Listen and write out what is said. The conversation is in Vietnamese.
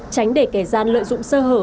tránh để kẻ gian lợi dụng sơ hở